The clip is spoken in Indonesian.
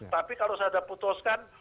tapi kalau saya sudah putuskan